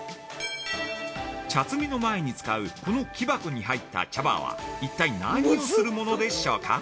茶摘みの前に使う、この木箱に入った茶葉は一体何をするものでしょうか？